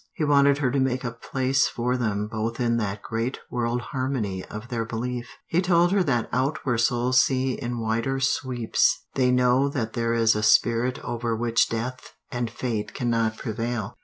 He wanted her to make a place for them both in that great world harmony of their belief. He told her that out where souls see in wider sweeps, they know that there is a spirit over which death and fate cannot prevail.